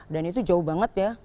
dan itu jauh banget ya